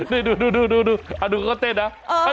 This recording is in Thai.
นี่ดูดูเขาเต้นน่ะ